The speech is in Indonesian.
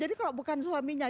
jadi kalau bukan suaminya